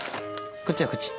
こっちだこっち。